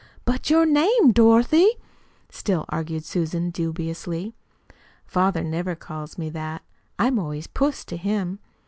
"But your name, Dorothy," still argued Susan dubiously. "Father never calls me that. I'm always 'Puss' to him.